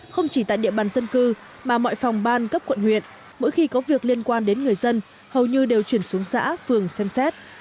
không chỉ tại địa bàn dân cư mà mọi phòng ban cấp quận huyện mỗi khi có việc liên quan đến người dân hầu như đều chuyển xuống xã phường xem xét